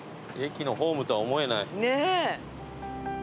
駅のホームとは思えない。ねぇ。